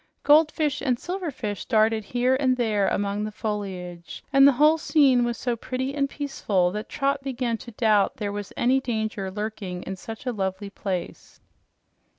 Goldfish and silverfish darted here and there among the foliage, and the whole scene was so pretty and peaceful that Trot began to doubt there was any danger lurking in such a lovely place.